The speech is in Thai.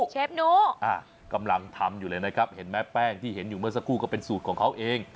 เชฟหนูกำลังทำอยู่เลยนะครับเห็นไหมแป้งที่เห็นอยู่เมื่อสักครู่ก็เป็นสูตรของเขาเอง